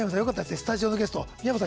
スタジオのゲスト、三山さん